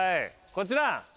こちら。